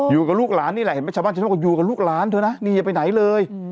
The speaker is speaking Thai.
อยู่กับลูกล้านนี่แหละเห็นไหมชาวบ้านอยู่กับลูกล้านเถอะนะหนีไปไหนเลย